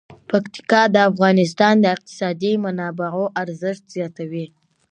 پکتیکا د افغانستان د اقتصادي منابعو ارزښت زیاتوي.